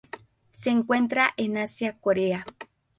Se encuentra en Asia: Corea.